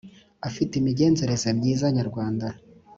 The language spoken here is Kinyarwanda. afite imigenzereze myiza nyarwanda .